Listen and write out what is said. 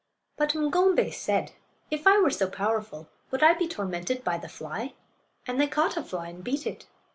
But Ng'ombay said, "If I were so powerful would I be tormented by the fly?" And they caught a fly and beat it.